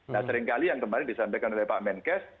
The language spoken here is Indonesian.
nah seringkali yang kemarin disampaikan oleh pak menkes